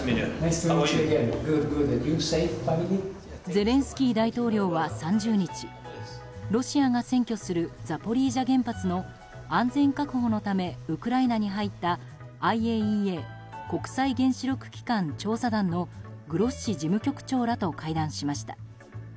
ゼレンスキー大統領は３０日ロシアが占拠するザポリージャ原発の安全確保のためウクライナに入ったＩＡＥＡ・国際原子力機関調査団のグロッシ事務局長らと会談しました。